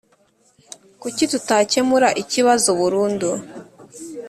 kuki tutakemura ikibazo burundu?